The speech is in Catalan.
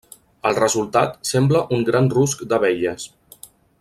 El resultat sembla un gran rusc d'abelles.